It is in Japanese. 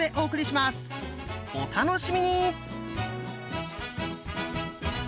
お楽しみに！